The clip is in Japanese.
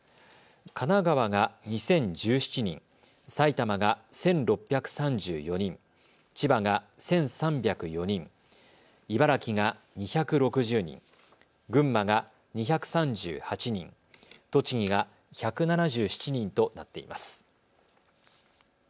神奈川が２０１７人、埼玉が１６３４人、千葉が１３０４人、茨城が２６０人、群馬が２３８人、栃木が１７７人となっています。